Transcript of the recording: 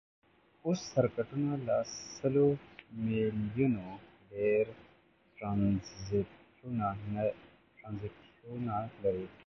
اوس سرکټونه له سلو میلیونو ډیر ټرانزیسټرونه لري.